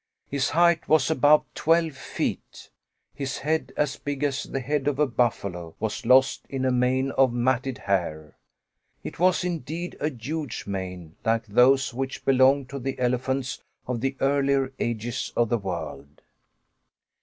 His height was above twelve feet. His head, as big as the head of a buffalo, was lost in a mane of matted hair. It was indeed a huge mane, like those which belonged to the elephants of the earlier ages of the world.